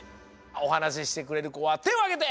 おはなししてくれるこはてをあげて！